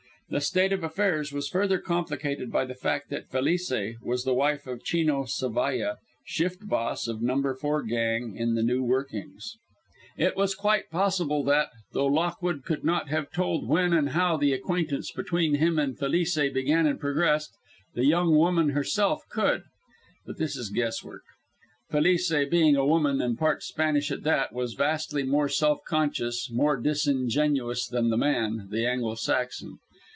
This state of affairs was further complicated by the fact that Felice was the wife of Chino Zavalla, shift boss of No. 4 gang in the new workings. II. MADNESS It was quite possible that, though Lockwood could not have told when and how the acquaintance between him and Felice began and progressed, the young woman herself could. But this is guesswork. Felice being a woman, and part Spanish at that, was vastly more self conscious, more disingenuous, than the man, the Anglo Saxon.